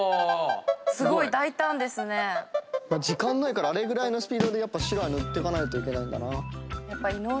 時間ないからあれぐらいのスピードで白塗ってかないといけないんだな。